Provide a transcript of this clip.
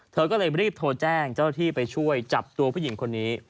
เธอก็เลยรีบโทรแจ้งเจ้าหน้าที่ไปช่วยจับตัวผู้หญิงคนนี้